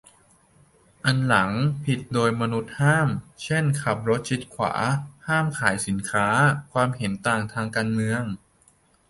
อันหลัง ผิดโดยมนุษย์ห้าม เช่น ขับรถชิดขวา ห้ามขายสินค้า ความเห็นต่างทางการเมือง